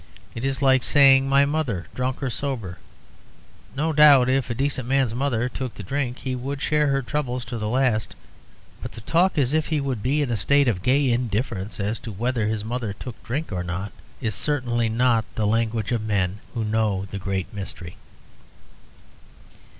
It is like saying, 'My mother, drunk or sober.' No doubt if a decent man's mother took to drink he would share her troubles to the last; but to talk as if he would be in a state of gay indifference as to whether his mother took to drink or not is certainly not the language of men who know the great mystery.